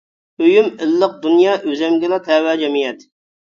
ئۆيۈم، ئىللىق دۇنيا، ئۆزۈمگىلا تەۋە جەمئىيەت.